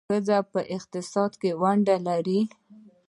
ښځې په اقتصاد کې ونډه لري.